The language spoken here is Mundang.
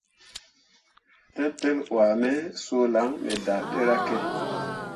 Tetel wuah me suu lan me daa ɗeryakke.